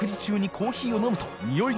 コーヒーを飲むとい辰┐